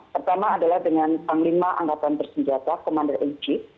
pertama adalah dengan panglima angkatan bersenjata komander lg